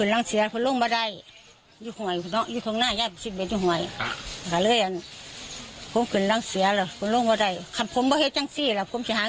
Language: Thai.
เห็นบอกว่าเค้าเคยบอกอะไรกับแม่ไว้ล่ะ